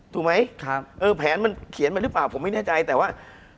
ถูกไหมครับเออแผนมันเขียนมาหรือเปล่าผมไม่แน่ใจแต่ว่า